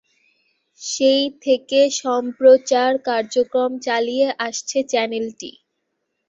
সেই থেকে সম্প্রচার কার্যক্রম চালিয়ে আসছে চ্যানেলটি।